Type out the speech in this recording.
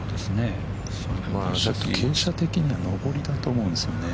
傾斜的には上りだと思うんですね。